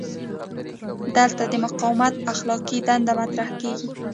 دلته د مقاومت اخلاقي دنده مطرح کیږي.